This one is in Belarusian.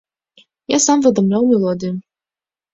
Я сам выдумляў мелодыі.